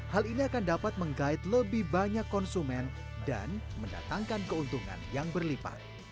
hal ini akan dapat menggait lebih banyak konsumen dan mendatangkan keuntungan yang berlipat